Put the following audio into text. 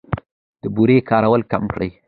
د بورې کارول کم کړئ.